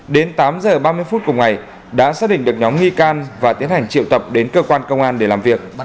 đến tám h ba mươi phút cùng ngày đã xác định được nhóm nghi can và tiến hành triệu tập đến cơ quan công an để làm việc